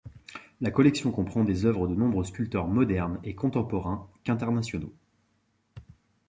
La collection comprend des œuvres de nombreux sculpteurs modernes et contemporains, qu'internationaux.